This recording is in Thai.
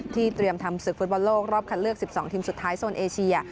เตรียมทำศึกฟุตบอลโลกรอบคัดเลือก๑๒ทีมสุดท้ายโซนเอเชีย